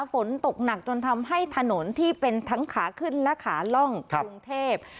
ฝนตกหนักจนทำให้ถนนที่เป็นทั้งขาขึ้นและขาล่องกรุงเทพ